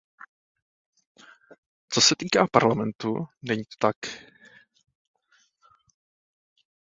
Co se týká Parlamentu, není to tak.